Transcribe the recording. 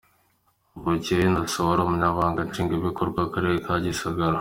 Mvukiyehe Innocent wari umunyamabanga nshingwabikorwa w’akarere ka Gisagara